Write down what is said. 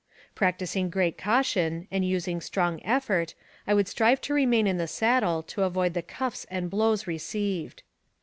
Practicing great caution, and using strong eifort, I would strive to remain in the saddle to avoid the cuffs and blows received.